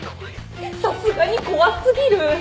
さすがに怖過ぎる。